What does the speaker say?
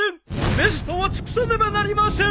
ベストを尽くさねばなりません！